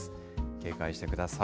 警戒してください。